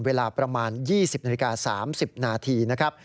เวลาประมาณ๒๐นาฬิกา๓๐นาทีนะครับ